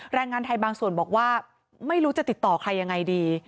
แรงงานไทยบางส่วนบอกว่าไม่รู้จะติดต่อใครยังไงดี